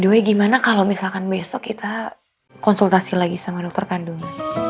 the way gimana kalau misalkan besok kita konsultasi lagi sama dokter kandung